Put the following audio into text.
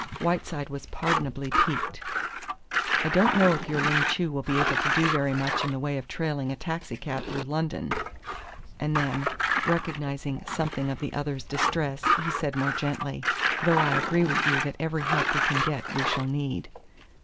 Whiteside was pardonably piqued. "I don't know if your Ling Chu will be able to do very much in the way of trailing a taxicab through London." And then, recognising something of the other's distress, he said more gently, "Though I agree with you that every help we can get we shall need."